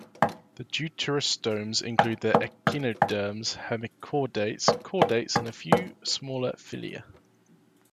The deuterostomes include the echinoderms, hemichordates, chordates, and a few smaller phyla.